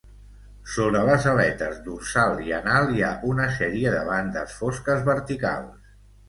Sobre les aletes dorsal i anal hi ha una sèrie de bandes fosques verticals.